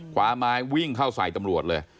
ขวาม้ายวิ่งเข้าสายตำรวจเลย